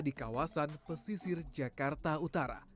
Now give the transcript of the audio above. di kawasan pesisir jakarta utara